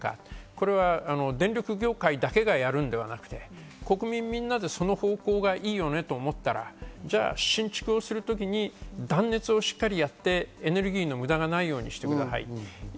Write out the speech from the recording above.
これは電力業界だけがやるのではなくて国民みんなでその方法がいいよねと思ったら、新築をするときに断熱をしっかりやって、エネルギーの無駄がないようにしてください。